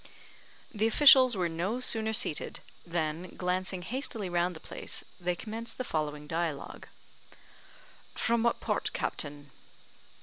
The officials were no sooner seated, than glancing hastily round the place, they commenced the following dialogue: "From what port, captain?"